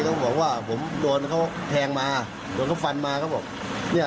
เขาบอกว่าผมโดนเขาแทงมาโดนเขาฟันมาเขาบอกเนี่ย